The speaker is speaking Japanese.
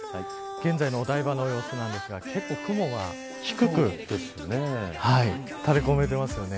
現在のお台場の様子なんですが結構雲が低く垂れ込めてますよね。